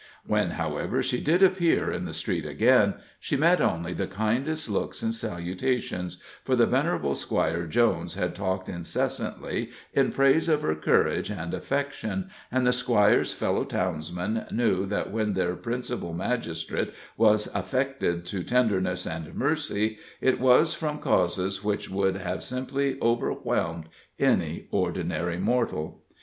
When, however, she did appear in the street again, she met only the kindest looks and salutations, for the venerable Squire Jones had talked incessantly in praise of her courage and affection, and the Squire's fellow townsmen knew that when their principal magistrate was affected to tenderness and mercy, it was from causes which would have simply overwhelmed any ordinary mortal.